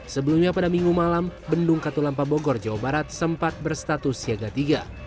sebelumnya pada minggu malam bendung katulampa bogor jawa barat sempat berstatus siaga tiga